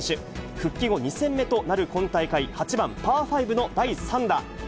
復帰後２戦目となる今大会、８番パー５の第３打。